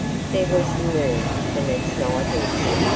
There was a moon the next night also.